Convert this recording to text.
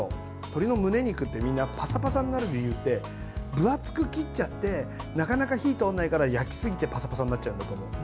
鶏のむね肉ってみんなパサパサになる理由って分厚く切っちゃってなかなか火が通らないから焼きすぎてパサパサになっちゃうんだと思う。